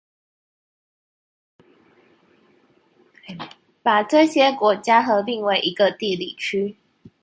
把這些國家合併為一個地理區